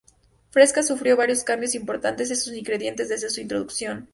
Fresca sufrió varios cambios importantes en sus ingredientes desde su introducción.